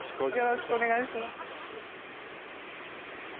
よろしくお願いしますえ